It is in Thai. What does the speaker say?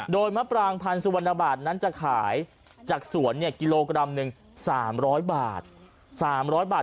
โดยมะปรางพันธ์สุวรรณบาทนั้นจะขายจากสวนกิโลกรัมหนึ่ง๓๐๐บาท๓๐๐บาท